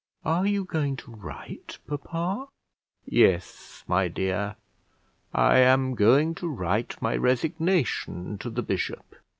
"Are you going to write, papa?" "Yes, my dear; I am going to write my resignation to the bishop."